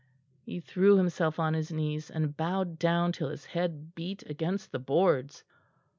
He threw himself on his knees, and bowed down till his head beat against the boards.